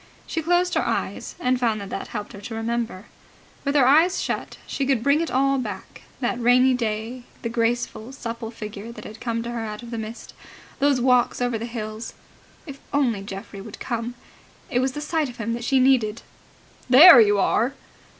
She closed her eyes, and found that that helped her to remember. With her eyes shut, she could bring it all back that rainy day, the graceful, supple figure that had come to her out of the mist, those walks over the hills ... If only Geoffrey would come! It was the sight of him that she needed. "There you are!"